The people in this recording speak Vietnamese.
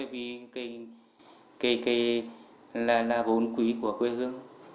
vì cái là vốn quý của quê hương